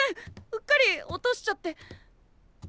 うっかり落としちゃって。